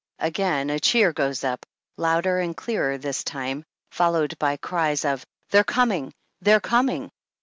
Again [a cheer goes up, louder and clearer this time, followed by cries of " They're coming, they're coming."